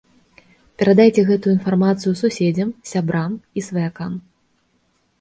Перадайце гэтую інфармацыю суседзям, сябрам і сваякам.